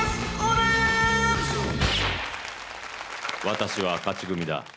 私は勝ち組だ。